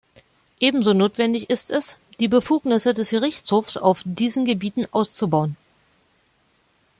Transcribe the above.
Ebenso notwendig ist es, die Befugnisse des Gerichtshofs auf diesen Gebieten auszubauen.